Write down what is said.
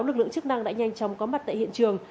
lực lượng chức năng đã nhanh chóng có mặt tại hiện trường